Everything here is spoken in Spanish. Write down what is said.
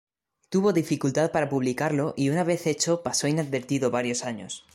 Tuvo dificultad para publicarlo y una vez hecho pasó inadvertido varios años.